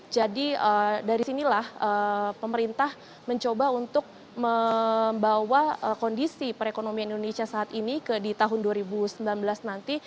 jadi dari sinilah pemerintah mencoba untuk membawa kondisi perekonomian indonesia saat ini ke di tahun dua ribu sembilan belas nanti